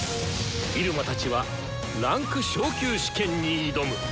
入間たちは位階昇級試験に挑む！